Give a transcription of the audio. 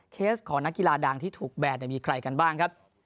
เคสของนักกีฬาดังที่ถูกแบดมีใครกันบ้างครับ